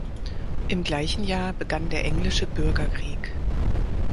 Im gleichen Jahr begann der Englische Bürgerkrieg.